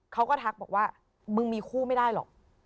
ทักบอกว่ามึงมีคู่ไม่ได้หรอก